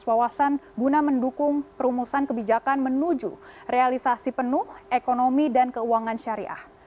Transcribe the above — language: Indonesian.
wawasan guna mendukung perumusan kebijakan menuju realisasi penuh ekonomi dan keuangan syariah